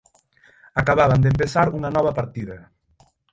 Acababan de empezar unha nova partida.